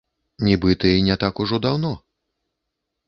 Нібыта і не так ужо даўно.